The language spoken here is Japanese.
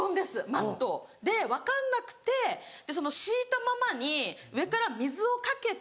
マット。で分かんなくて敷いたままに上から水をかけて。